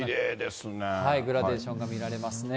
グラデーションが見られます